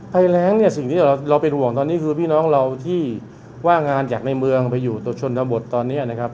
ภัยแรงเนี่ยสิ่งที่เราเป็นห่วงตอนนี้คือพี่น้องเราที่ว่างงานจากในเมืองไปอยู่ตัวชนบทตอนนี้นะครับ